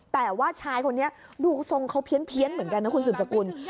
แต่ว่าชายคนนี้ดูทรงเขาเพี้ยนเหมือนกันนะคุณสืบสกุล